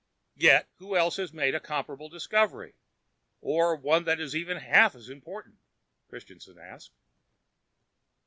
"Yet who else has made a comparable discovery? Or one that is even half as important?" Christianson asked.